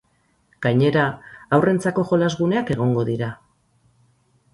Gainera, haurrentzako jolasguneak egongo dira.